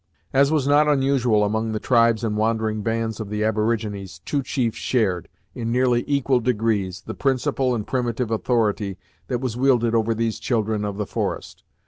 As was not unusual among the tribes and wandering bands of the Aborigines, two chiefs shared, in nearly equal degrees, the principal and primitive authority that was wielded over these children of the forest.